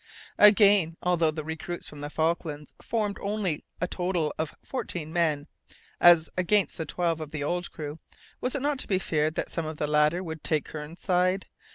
Again, although the recruits from the Falklands formed only a total of fourteen men, as against the twelve of the old crew, was it not to be feared that some of the latter would take Hearne's side?